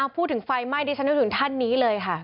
ไฟไหม้ดิฉันนึกถึงท่านนี้เลยค่ะ